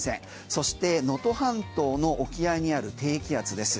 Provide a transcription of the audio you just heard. そして能登半島の沖合にある低気圧です。